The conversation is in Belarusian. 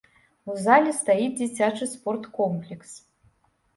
У залі стаіць дзіцячы спорткомплекс.